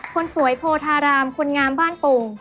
คนสวยโพธารามคนงามบ้านโป่ง